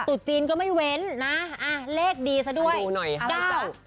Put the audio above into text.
ตุจจีนก็ไม่เว้นนะอ่าเลขดีซะด้วยอะไรจ๊ะ